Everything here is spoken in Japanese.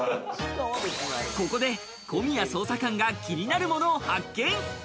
ここで小宮捜査官が気になるものを発見。